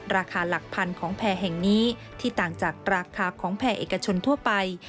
ราคาหลักพันของแผ่แห่งนี้ที่ต่างจากราคาของแผ่เอกชนทั่วไป